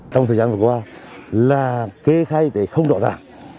trong thời gian vừa qua là kế khai thì không rõ ràng